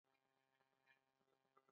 په بدن شپږ سوه غدودي دي.